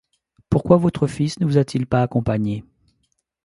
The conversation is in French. Pourquoi votre fils ne vous a-t-il pas accompagnée ?